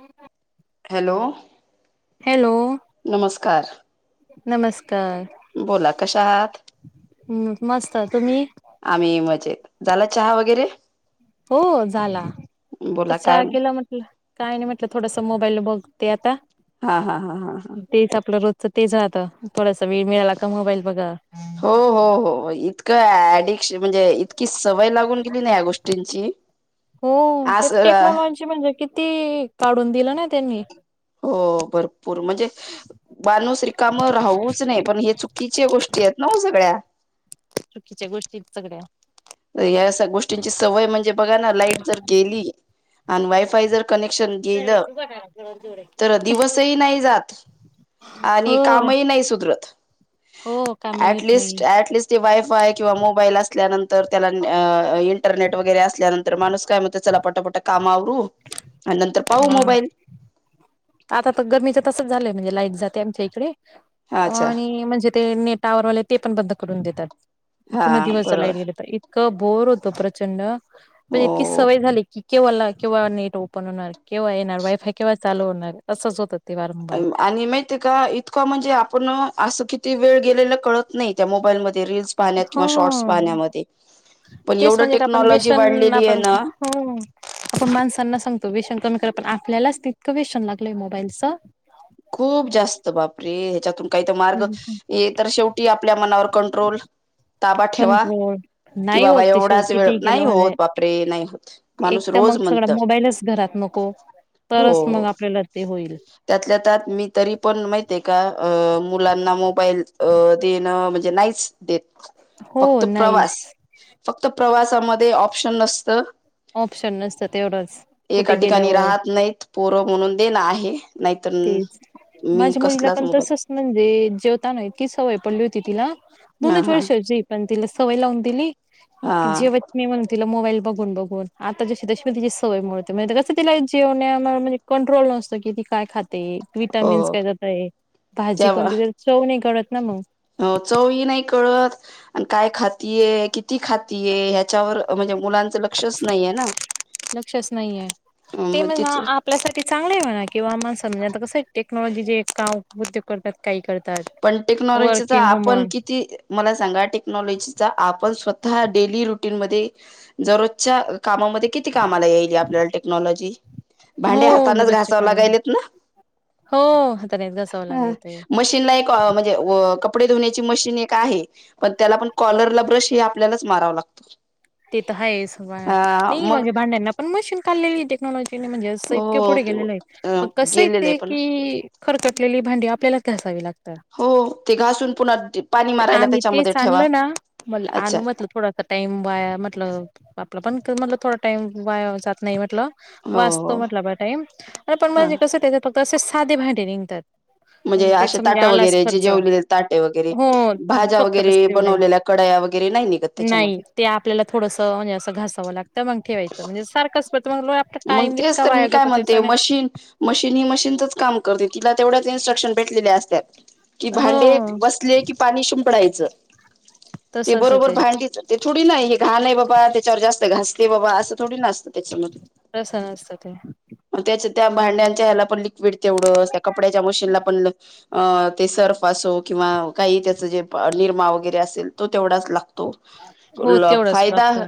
हम् ह hello hello नमस्कार नमस्कार बोला कशा आहात हम्म मस्त तुम्ही आम्ही मजेत झाला चहा वगैरे हो झाला बोला तस काय केलं म्हटलं काय नाही म्हटलं थोडस मोबाईल बघते आता हा हा हा हा हा तेच आपलं रोजच तेच ना आता थोडासा वेळ मिळाला का मोबाईल बघा हो हो हो इतकं ऍडिक्श म्हणजे इतकी सवय लागून गेली ना या गोष्टी तची हो ते टेक्नॉलॉजी म्हणजे किती काढून दिलं ना त्यांनी हो भरपूर म्हणजे माणूस रीकाम राहवूच नाही पण हे चुकीच्या गोष्टी आहेत ना सगळ्या चुकीच्या गोष्टी सगळ्या या गोष्टींची सवय म्हणजे बघा ना लाईट जर गेली आणि वायफाय जर कनेक्शन गेलं तर दिवसही नाही जात आणि हो कामही नाही सुधरत हो काम येत नाही ऍटलिस्ट, ऍटलिस्ट ते वायफाय किंवा मोबाईल असल्यानंतर तर त्याला इंटरनेट वगैरे असल्यानंतर माणूस काय म्हणतोय त्याला पटापटा कामं आवरू आणि नंतर पाहू हा मोबाईल आता तर गरमीच तसंच झालंय म्हणजे लाईट जाते आमच्या इकडे अच्छा आणि म्हणजे ते नेट टॉवरवाले ते पण बंद करून देतात. हा पुन्हा दिवसभर बरोबर लाईट गेले तरीही ईतकं बोर होत प्रचंड म्हणजे इतकी हो सवय झाली की केव्हा ला केव्हा नेट ओपन होणार केव्हा येणार वायफाय केव्हा चालू होणार असंच होत आणि माहितय का इतकं म्हणजे आपण असं किती वेळ गेलेलं कळत नाही त्या मोबाईलमध्ये रिल्स पाहण्यात किंवा शॉर्टस हो पाहण्यामध्ये पण तेच एवढं म्हणजे का आपण टेक्नॉलॉजी व्यसन वाढलेली आहे आपण ना आपण माणसांना सांगतो व्यसन कमी करा पण आपल्यालाच तितकं व्यसन लागलय मोबाईलचं खूप जास्त बाप रे ह्याच्यातून काही तर मार्ग ये तर शेवटी आपल्या मनावर कंट्रोल, ताबा ठेवा कंट्रोल की नाही बाबा होत ते शेवट एवढाच वेळ किती केलं नाही होत म्हणजे बापरे! नाही होत माणूस एक तर रोज मग म्हणत सगळं मोबाईलच घरात नको तरच मग हो आपल्याला ते होईल त्यातल्या त्यात मी तरी पण महित्या का मुलांना मोबाईल देणं म्हणजे नाहीच देत हो फक्त प्रवास नाहीच फक्त प्रवासामध्ये ऑप्शन नसतं ऑप्शन नसतं तेवढंच एका कुठे ठिकाणी गेल्यावर राहत नाहीत पोरं म्हणून देणं आहे नाहीतर तेच मी माझ्या मुलीला कसलाच पण तसंच मोबाईल म्हणजे जेवताना इतकी सवय पडली होती तिला हा दोनच हा वर्षाची हे पण तिला सवय लावून दिली हा की जेवत नाही म्हणती मोबाईल बघून बघून आता जशी जशी तची सवय मोडते कसं तिला जेवण्या म्हजे कंट्रोल नसतो की ती काय खाते, हो व्हिटामिन्स काय जातंय भाजी तेव्हा कोणती? तरी चव नाही कळतं ना मग हो चवही नाही कळत आणि काय खातीये किती खातीये ह्याच्यावर म्हणजे मुलांच लक्षच नाहीय ना लक्षच नाहीये मग तिच चांगलं आहे म्हणा किंवा माणसांमध्ये आता कसं आहे टेक्नॉलॉजी जे का काम, उद्योग करतात काही करत पण टेक्नॉलॉजीचा आपण किती मला सांगा टेक्नॉलॉजीचा आपण स्वतः हा डेली रुटीन मध्ये दररोजच्या कामामध्ये किती कामाला येईल? हि आपल्याला टेक्नॉलॉजी हो भांडे हातानच दररोजचे घासावं काय लागायलेत ना? हो हातानेच घासावं ह लागायचंय मशीन ला म्हणजे कपडे धुण्याची मशीन एक आहे, पण त्याला पण कॉलरला ब्रश हे आपल्यालाच मारावं लागतो. ते तर आहेच अ नाही मग म्हणजे भांड्यांना पण मशीन काढलेली टेक्नॉलॉजी ने म्हणजे असं इतके हो पुढे गेलेलं आहे पण कसंय गेलेलं आहे ते पण की खरकटलेली भांडी आपल्यालाच घासावी लागतात हो ते घासून पुन्हा पाणी ते मारायला आम्ही त्याच्यामध्ये तेच ठेवा आणलो ना म्हल अच्छा आणू म्हटलं थोडा टाइम वाया म्हटलं आपला पण तर म्हणलं थोडा टाईम वाया जात नाही म्हटलं हो वाचतो हो म्हटलं आपला टाइम अरे पण हा म्हजे कसं त्याच्यात फक्त असे साधे भांडे निघतात म्हणजे असे त्याच म्हणजे ताटं आलाच वगैरे जे खर्च जेवलेले ताटे वगैरे हो भाज्या फक्त बस वगैरे तेवढे बनवलेल्या कडाया वगैरे नाही निघत नाही त्याच्यामध्ये ते आपल्याला थोडस म्हणजे अस घासावं लागतं मग ठेवायचं म्हणजे सारखंच पण मग आपला मग टाइम तेच इतका तर वाया मी काय जातो म्हणते त्याच्याने मशीन मशीन ही मशीनचच काम करते तिला तेवढ्या त्या इन्स्ट्रक्शन भेटलेले असत्यात की हो भांडे बसले की पाणी शिंपडायचं [inaudible] ते बरोबर भांडीच ते थोडी नाही हे घाण आहे बाबा त्याच्यावर जास्त घासते बाबा असं थोडी ना असतं त्याच्यामध्ये प्रसन असतं ते. च त्या भांड्यांच्या ह्याला पण लिक्विड तेवढंच, त्या कपड्यांच्या मशीनला पण लिक्वी अ ते सर्फ असो किंवा काही त्याच जे निरमा वगैरे असेल तो तेवढाच लाग तो हो तेवढंच फायदा डॉक्टर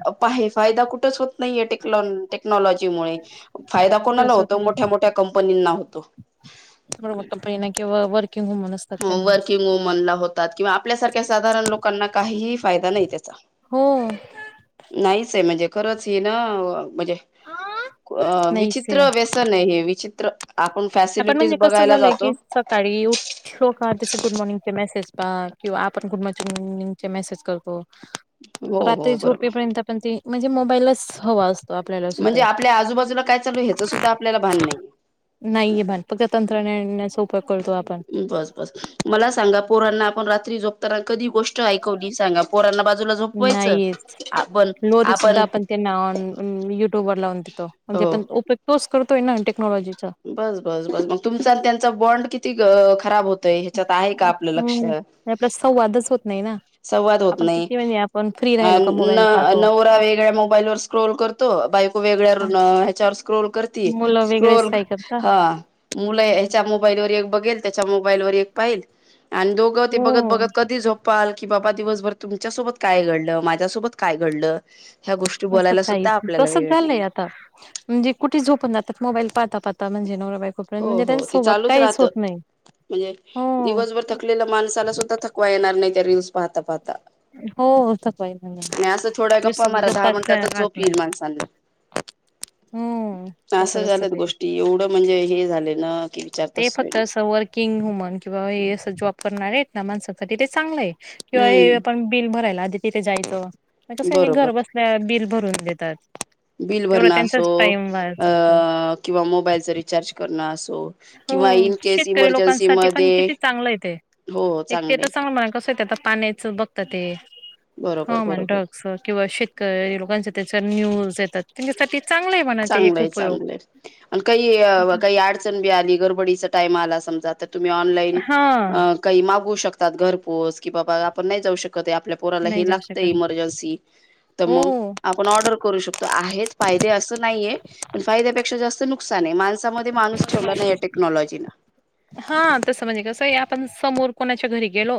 फायदा कुठेच होत नाहीये टेकनॉ टेक्नॉलॉजी मुळे फायदा कुठे कोणाला असत होतो ना मोठ्या मोठ्या कंपनीना होतो. म्हणून म्हटलंय [unintelligible] किंवा वर्किंग वुमन असतात त्यांना वर्किंग वुमन ला होतात किंवा आपल्यासारख्या साधारण लोकांना काहीही फायदा नाही त्याचा. [inaudible] नाहीच आहे म्हणजे खरंच ह ना म्हणजे नाहीच आहे विचित्र व्यसन आहे हे विचित्र. आपण आपण फॅसिलिटीज म्हणजे कस बघायला झालंय जातो की सकाळी उठलो का त्याचे गुड मॉर्निंग चे मेसेज पा किंवा आपण गुड मॉमीगचे निंग चे मेसेज करतो. हो रात्री हो बरोबर. झोपेपर्यंत पण ते म्हणजे मोबाईललच हवा असतो. आपल्याला म्हणजे सुद्धा आपल्या आजूबाजूला काय चालू ह्याच सुद्धा आपल्याला भान नाही. नाहीये भान फक्त तंत्रज्ञानाना सोबत. बस बस मला सांगा पोरांना आपण रात्री झोपताना कधी गोष्ट ऐकवली सांगा, पोरांना बाजूला झोपवायचं नाहीच आपण लोरी सुद्धा आपण त्यांना युट्यूब वर लावून देतो म्हणे ऑपरेत तोच करतोय ना टेक्नॉलॉजीचा ब बस बस मग तुमचा त्यांचा बाँड किती खराब होतय ह्याच्यात आहे का आपलं लक्ष? हम्म आपला संवादच होत नाही ना संवाद होत आपण नाही किती म्हणजे आपण फ्री अ राहिलो का न मोबाईल पाहतो नवरा वेगळ्या मोबाईल स्क्रोल करतो बा यको वेगळ्या हा, न ह्याच्यावर स्क्रोल करती मुलं वेगळेच स्क्रोल काय करता हां मुलं ह्याच्या मोबाईल वर एक बघेल, त्याच्या मोबाईल वर एक पाहिलं- आणि दोघं ते हो बघत बघत कधी झोप पाल की बाबा दिवसभर तुमच्या सोबत काय घडलं, माझ्या सोबत काय घडलं ह्या गोष्टी असं बोलायला काही सुद्धा आपल्याला तसंच वेळ झालंय नाहीये आता, म्हणजे कुठे झोपून जातात मोबाईल पाहता पाहता आता म्हणजे नवरा बायको प्रेम हो म्हणजे हो ते त्यांच्यासोबत चालूच काहीच राहतं होत नाहीं. म्हणजे दिवसभर थकलेल्या माणसाला सुद्धा थकवा येणार नाही त्या रील्स पाहता पाहता. आणि असं थोड्या [unintelligible] गप्पा मारा दहा [inaudible] हो तस आस तसं झाल्यात ते गोष्टी एवढं म्हंजे हे झाले न ते फक्त असं वर्किंग वुमन किंवा हे असं जॉब करणारे आहेत ना माणसांसाठी ते चांगलय. किंवा हे हम्म आपण बिल भरायला आधी तिथे जायचं, कसं नी घर बरोबर बसल्या बिल भरून देतात. बिल तेवढा भरण त्यांचाच असो टाइम वाया अ जातो. किंवा मोबाईलच रिचार्ज करण असो हो किंवा इन केस शेतकरी इमर्जन्सी लोकांसाठी पण मधे किती चांगलं आहे ते. एक ते तस म्हणा कसं ते आहे ते आता, पाण्याच बघता ते. हो बरोबर म बरोबर ड्रग्स किंवा शेतकरी लोकांच्या त्याच्या न्यूज येतात त्यांच्यासाठी चांगलं आहे म्हणा ते एक चांगलंय उपयोग. चांगलंय आणि काही काही अडचण बी आ आणि गरबडीचा टाईम आला समजा, त तूम्ही ऑनलाईन हा अ मागवू शकता. तात घरपोच कि बाबा आपण नाही जाऊ शक कत आपल्या पोराला नाही हे जाऊ लागतय शकत इमर्जन्सी तर, हो. मग आपण ऑर्डर करू शकतो आहेत फायदे असं नाहिये पण फायद्यापेक्षा जास्त नुकसानय माणसामध्य हा तसं म्हणजे कसंय आप आपण समोर कोणाच्या घरी गेलो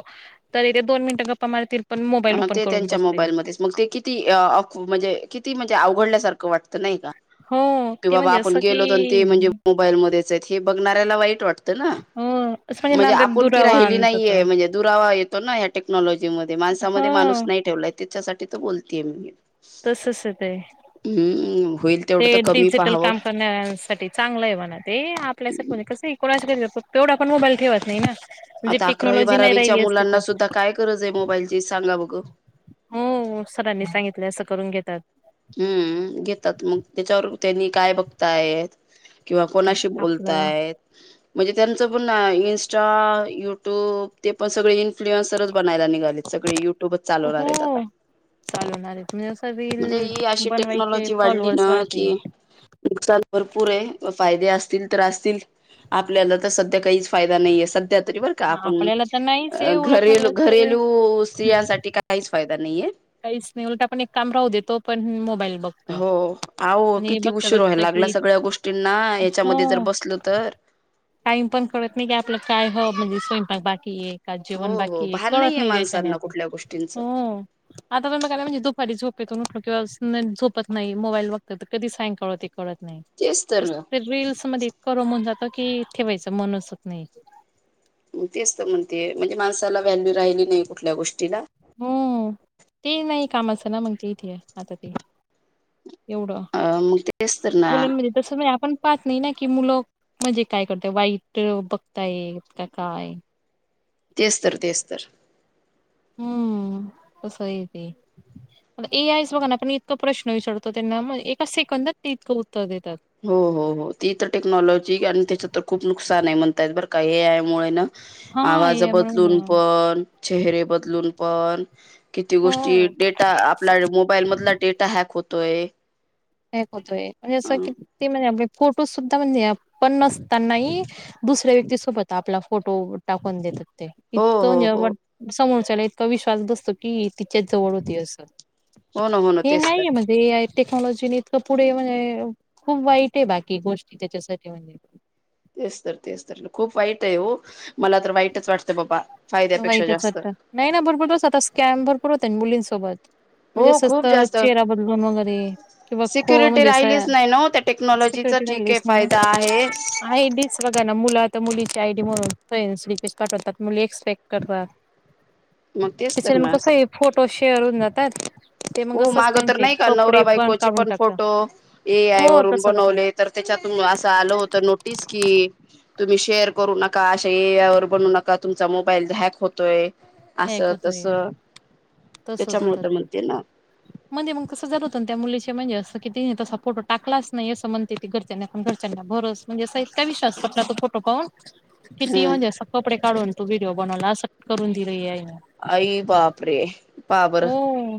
तरी, तेे दोन मिनिटं गप्पा मारतील पण मोबाईल ह ओपन ते करून त्यांच्या बसतील मोबाईलमध्येच मग ते किती अ अख म्हणजे किती म्हणजे अवघडल्यासारखं वाटतं नाही? हो की ते बाबा म्हणजे आपण असं की गेलो तन ते म्हणजे मोबाईल मध्येच हे बघणाऱ्याला वाईट वाटतं. त ना. हो असं म्हणजे म्हंजे नात्यात आपुलकी दुरावा राहिली आणतात नाहीये म्हणजे दुरावा येतो ना या टेक्नॉलॉजी मधे माणस हो मध्ये माणूस नाही ठेवलाय त्याच्यासाठी त बोलतेय मी. तसच ये ते हम्म होईल ते तेवढं तर कमी डिजिटल पाहावं काम करण्यासाठी चांगलं आहे म्हणा ते आपल्यासणी कस इड तेवढं आपण मोबाईल ठेवत नाही ना म्हणजे आता अकरावी टेक्नॉलॉजी नाही बारावीच्या राहिली असती मुलांना तर सुद्धा काय गरज आहे मोबाईलची सांगा बघं हो सरांनी सांगितले असं करून घेतात हम्म घेतात मग त्याच्यावर त्यांनी काय बघताय किंवा काय कोणाशी आपल्याला बोलताय म्हणजे त्यांचं पण इन्स्टा युट्यूब ते पण सगळे इन्फ्लुअन्स सरच बनायला निघाले सगळे यु हो चालणारे तुम्ही असा बल अ टे वा भरपूर आहे फायदे असतील तर असतील आपल्याला तर सध्या काहीच फायदा नाहीये सध्या तरी बर का हा, आपण आपल्याला तर नाहीच आहे उलट घरेल म्हणजे असं आहे घरेलू स्त्रियांसाठी काहीच फायदा नाहीये काहीच नाही उलटा पण एक काम राहू देेतो पण मोबाईल बघतो हो आह आणि किती बघता उशीर व्हायला बघता लागला की सगळ्या गोष्टींना याच्यामध्ये जर बसलं तर टाईम पण कळत नाही की आपलं काय ह म्हणजे स्वयंपाक बाकी आहे का हो जेवण हो बाकी भान कळत नाहीये नाही त्याच्याने माणसांना आता कुठल्या गोष्टींचं हो आता पण बघय म्हणजे दुपारी झ किंवा झोपत नाही मोबाईल वाघत तर कधी सायंकाळते कत नाही तेच तर ना रीलस मध्ये इतकं रमून जात की ठेवायचं मन असत नाही ग ते असत म्हणते म्हणजे माणसाला व्हॅल्यू राहिली नाही कुठल्या गोष्टीला हम्म ते नाही कामाचं ना मग ते इथ आता ते एवढं अ मग तेच तर ना बलाण म तस नाही आपण पाहत नाही ना की मुलं म्हणजे काय करत वाईट बघताय का काय तेस्तर तेस्तर हम्म तर सई ती ए आयस बघा ना आपण इतकं प्रश्न विचारतो त्यांना एका सेकंदात ते इतकं देतात. हो हो हो ती तर टेक्नॉलॉजी आणि त्याच तर खूप नुकसान आहे म्हणतायत बरं का हे यामुळे ना हा आवाज ए आय मुळे बदलून ना. पण चेहरे बदलून पण किती हो. गोष्टी डेटा आपला मोबाईल मधला डेटा हॅक होतोय एक होतोय म्हणजे असं हो किती म्हणजे अ फोटो सुद्धा म्हणजे पण नसतानाही दुसऱ्या व्यक्तीसोबत आपला फोटो टाकून देत हो इतकं हो समोरच्याला इतका विश्वास बसतो की तिच्याच जवळ होती असं हो ना हो ना हे तेच तर नाहीये मज टेक्नॉलॉजीने इतकं पुढे म्हणजे खूप वाईट आहे बाकी गोष्टी त्याच्यासाठी म्हणजे तेच तर तेच तर खूप वाईट आहे हो मला तर वाईटच वाटतं बाबा वाई फायद्यापेक्षा जास्त त्याचत नाही ना भरपूर बसत आता स्कॅम भरपूर होत ना मुलींसोबत म्हणजे हो असत खूप जास्त चेहरा बदलून वगैरे किंवा खो सिक्युरिटी म्हणजे असं राहिलीच नाही ना हो त्या टेक्नॉलॉजीचा ठीक आहे स् फायदा आहे नाहीह ना मुलं आता मुलीची आयडी म्हणून काठवतात मु मग तेच तर त्याच्या मग ना कस फोटो शेअर होऊन जातात ते हो असंच माग तर त्यांचे नाही का नवरा कपडे बाईकोचे काढून पण टाकतात फोटो ए आय हो वरून तसंच आता बनवले तर त्याच्यातून असं आल होत नोटीस की तुम्ही शेअर करू नका अशा एया ववर बनू नका तुमचा मोबाईल हॅक होतोय अस हॅक तस होतोय त्याच्यामुळे म म्ह मग तस जर होत त्या मु म्हणजे अस की त तसा फोटो टालाच नाही असं म्हणते ती घरच्यांनाण घरंना भरस म्हणजे असा इतका विश्स ट तो फोटो पाहून किती हम्म म्हणजे असं कपडे काढून तू व्हिडिओ बनवला अस करून दिले आहे आई बापरे पापर हो.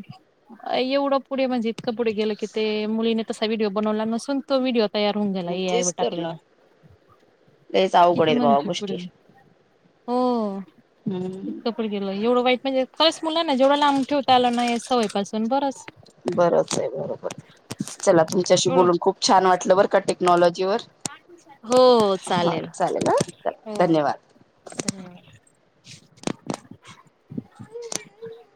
एवढं पुढे म्हणजे इतकं पुढे गेल की ते मुलीने तसा व्हडडीओ बनवला नसून तो व्हिडिओ तयार होऊन गला मग ए आय व तेच तर टाकले ना म लयच अवघड किती आहेत भावा म्हणष पुढे गोष्टी हो हम्म कपड गेलो एवढं वाईट म्हणजे खरंच मुला ना जेवढं लांब ठेवता आला नाही सवयपासून बरंच बरच आहे बरोबर चला तुमच्याशी एवढं बोलून खूप छान वाटलं बर का टेक्नॉलॉजी वर हा चालेल हा हो धन्यवाद धन्यवाद. ह